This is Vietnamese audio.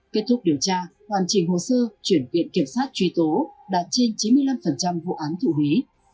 kết thúc điều tra hoàn chỉnh hồ sơ chuyển viện kiểm sát truy tố đạt trên chín mươi năm vụ án thụ lý